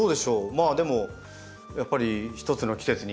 まあでもやっぱり１つの季節に１回ぐらい？